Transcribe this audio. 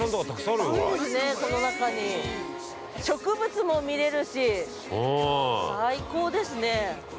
◆あるんですね、この中に。植物も見れるし、最高ですね。